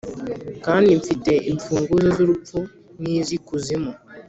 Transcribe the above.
kandi mfite imfunguzo z’urupfu n’iz’ikuzimu.